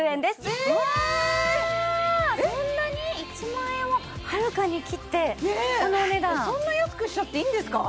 １万円をはるかに切ってこのお値段そんな安くしちゃっていいんですか？